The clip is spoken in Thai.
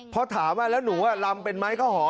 พอถามว่าแล้วหนูลำเป็นไหมข้าวหอม